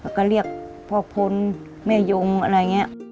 แล้วก็เรียกพ่อพลแม่ยงอะไรอย่างนี้